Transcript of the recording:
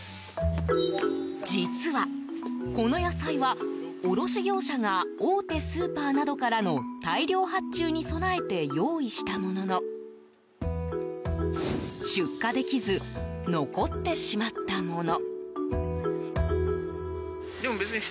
実はこの野菜は、卸業者が大手スーパーなどからの大量発注に備えて用意したものの出荷できず残ってしまったもの。